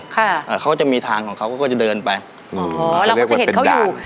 ค่ะอ่าเขาจะมีทางของเขาก็จะเดินไปอ๋อเราก็จะเห็นเขาอยู่